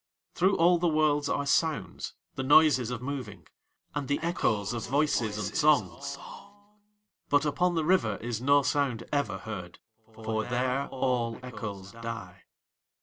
Through all the Worlds are sounds, the noises of moving, and the echoes of voices and song; but upon the River is no sound ever heard, for there all echoes die.